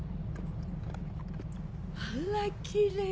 あらきれい。